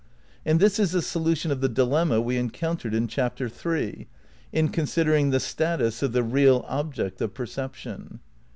And this is the solution of the dilemma we encountered in Chapter III, in considering the status of the "real object" of perception.